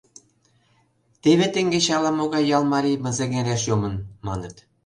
Теве теҥгече ала-могай ял марий Мызеҥереш йомын, маныт.